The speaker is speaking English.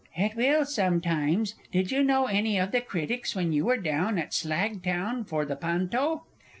It will sometimes. Did you know any of the critics when you were down at Slagtown for the Panto?